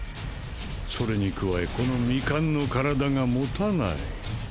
それに加えこの未完の身体が保たない。